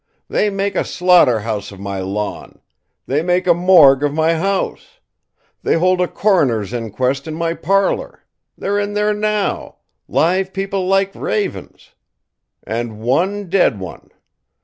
They make a slaughter house of my lawn. They make a morgue of my house. They hold a coroner's inquest in my parlour. They're in there now live people like ravens, and one dead one.